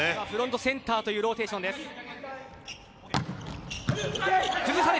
フロントセンターというローテーションです。